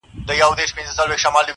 زه مي ژاړمه د تېر ژوندون کلونه-